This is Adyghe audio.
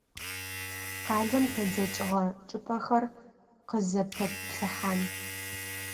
Къалэм къедзэкӏыгъэ чӏыпӏэхэр къызэпэтплъыхьан..